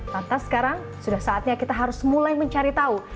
lantas sekarang sudah saatnya kita harus mulai mencari tahu